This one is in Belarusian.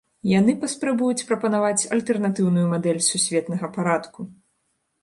Яны паспрабуюць прапанаваць альтэрнатыўную мадэль сусветнага парадку.